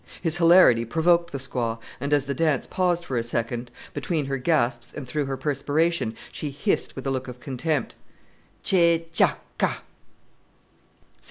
His hilarity provoked the squaw, and, as the dance paused for a second, between her gasps and through her perspiration she hissed with a look of contempt, "Che chac. Ka!" "Say!